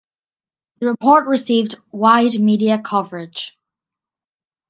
The report received wide media coverage.